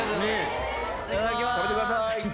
食べてください。